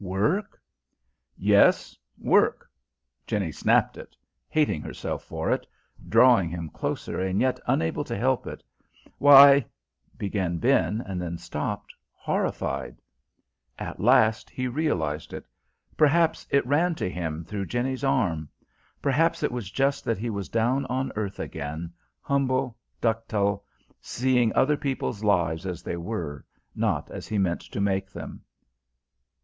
"Work?" "Yes, work." Jenny snapped it: hating herself for it, drawing him closer, and yet unable to help it. "Why " began Ben, and then stopped horrified. At last he realised it: perhaps it ran to him through Jenny's arm; perhaps it was just that he was down on earth again, humble, ductile, seeing other people's lives as they were, not as he meant to make them.